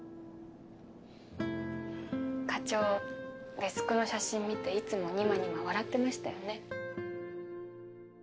課長デスクの写真見ていつもニマニマ笑ってましたよね。